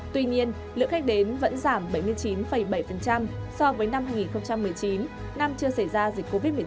tuy nhiên lượng khách đến vẫn giảm bảy mươi chín bảy so với năm hai nghìn một mươi chín năm chưa xảy ra dịch covid một mươi chín